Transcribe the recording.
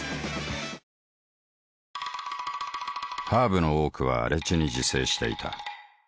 ハーブの多くは荒地に自生していた。